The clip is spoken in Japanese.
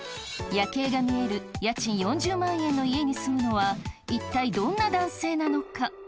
夜景が見える家賃４０万円の家に住むのは一体どんな男性なのか。